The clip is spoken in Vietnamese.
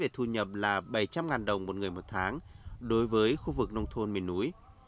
thu nhập là bảy trăm linh đồng một người một tháng đối với khu vực nông thôn miền núi